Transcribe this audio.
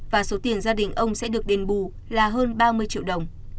và số tiền gia đình ông sẽ được đền bù là hơn ba mươi triệu đồng